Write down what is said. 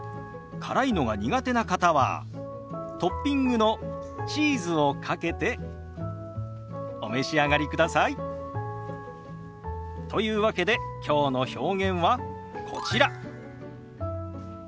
辛いのが苦手な方はトッピングのチーズをかけてお召し上がりください。というわけできょうの表現はこちら。